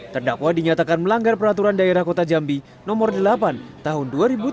terdakwa dinyatakan melanggar peraturan daerah kota jambi no delapan tahun dua ribu tujuh belas